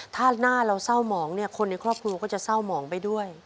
ถ้าหน้าเราเศร้าหมองเนี่ยคนในครอบครัวก็จะเศร้าหมองไปด้วย